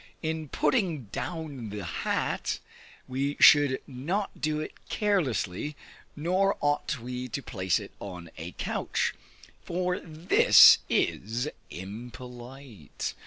In putting down the hat, we should not do it carelessly, nor ought we to place it on a couch, for this is impolite.